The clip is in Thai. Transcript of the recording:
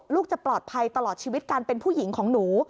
จะปลอดภัยตลอดชีวิตการเป็นผู้หญิงของหนู